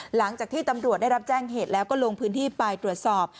หลังจากที่ตำรวจได้รับแจ้งเหตุแล้วก็ลงพื้นที่ไปตรวจสอบ